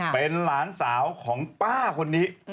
เป็นหลานสาวของป้าคนนี้